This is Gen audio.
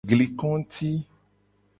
Gli konguti.